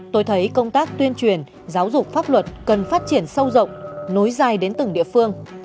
tôi thấy công tác tuyên truyền giáo dục pháp luật cần phát triển sâu rộng nối dài đến từng địa phương